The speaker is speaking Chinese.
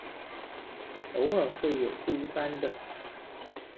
偶尔会有不一般的。